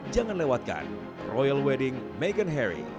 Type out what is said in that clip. jangan lewatkan royal wedding meghan harry